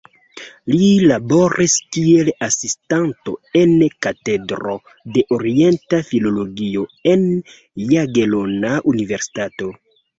Li laboris kiel asistanto en Katedro de Orienta Filologio en Jagelona Universitato.